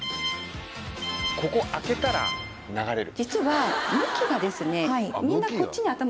ここ開けたら流れる。